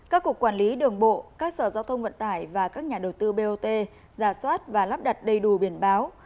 các cục quản lý đường bộ các sở giao thông vận tải và các nhà đầu tư bot giả soát và lắp đặt đầy đủ biển báo